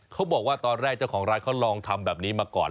เขาบอกว่าตอนแรกเจ้าของร้านเขาลองทำแบบนี้มาก่อน